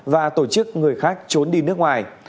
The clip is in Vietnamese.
và tổ chức người khác trốn đi nước ngoài